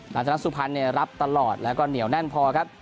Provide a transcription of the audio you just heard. หลังจากนั้นสุพรรณรับตลอดแล้วก็เหนียวแน่นพอครับ